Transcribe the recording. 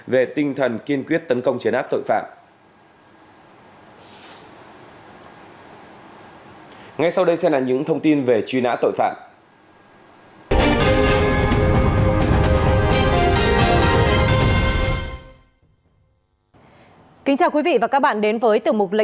về tinh thần kiên quyết tấn công chấn áp tội phạm